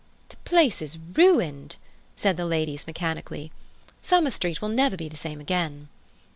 "The place is ruined!" said the ladies mechanically. "Summer Street will never be the same again."